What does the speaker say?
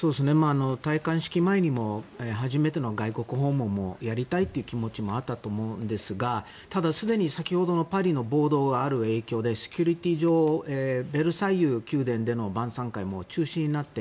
戴冠式前にも初めての外国訪問もやりたいという気持ちもあったと思うんですがただ、すでに先ほどのパリの暴動がある影響でセキュリティー上ベルサイユ宮殿での晩さん会ももう中止になって